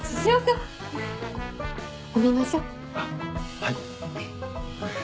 はい。